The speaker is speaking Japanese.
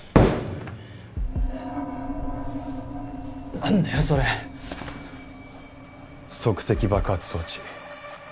何だよそれ即席爆発装置